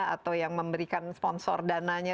atau yang memberikan sponsor dananya